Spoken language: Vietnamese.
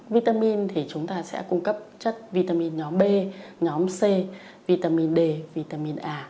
vitamin thì chúng ta sẽ cung cấp chất vitamin nhóm b nhóm c vitamin d vitamin a